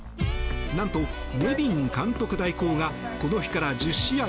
なんとネビン監督代行がこの日から１０試合